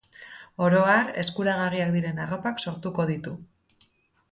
Oro har, eskuragarriak diren arropak sortuko ditu.